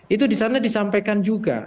itu di sana disampaikan juga